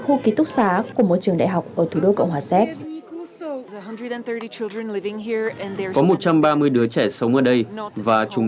khu ký túc xá của một trường đại học ở thủ đô cộng hòa séc có một trăm ba mươi đứa trẻ sống ở đây và chúng